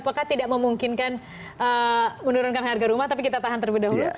apakah tidak memungkinkan menurunkan harga rumah tapi kita tahan terlebih dahulu